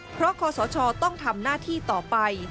เพราะคศต้องทำหน้าที่ต่อไป